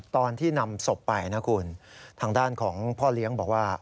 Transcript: ตอนที่นำศพไปนะคุณทางด้านของพ่อเลี้ยงบอกว่า